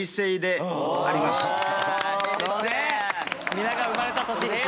皆が生まれた年平成。